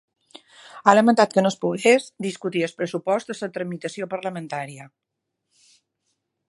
Ha lamentat que no es pogués discutir el pressupost en la tramitació parlamentària.